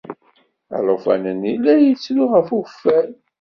Alufan-nni la yettru ɣef ukeffay.